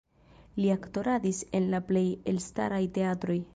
Li aktoradis en la plej elstaraj teatroj.